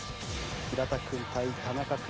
平田君対田仲君。